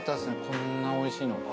こんなおいしいの。